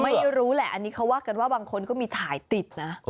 ไม่รู้แหละอันนี้เขาว่ากันว่าบางคนก็มีถ่ายติดนะ